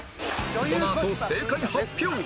このあと正解発表